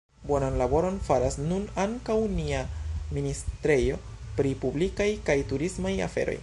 Bonan laboron faras nun ankaŭ nia ministrejo pri publikaj kaj turismaj aferoj.